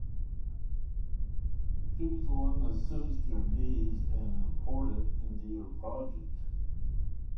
Choose the one that suits your needs and import it into your project.